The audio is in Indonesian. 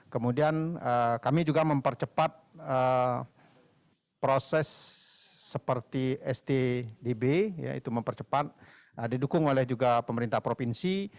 kemudian kami juga mempercepat proses seperti stdb yaitu mempercepat didukung oleh juga pemerintah provinsi